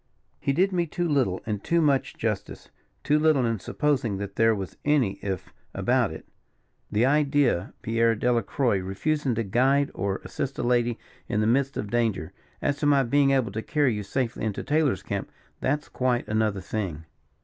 "He did me too little and too much justice. Too little, in supposing that there was any if about it. The idea of Pierre Delacroix refusing to guide or assist a lady in the midst of danger. As to my being able to carry you safely into Taylor's camp, that's quite another thing."